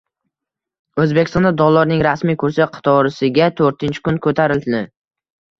O‘zbekistonda dollarning rasmiy kursi qatorasiga to‘rtinchi kun ko‘tarildi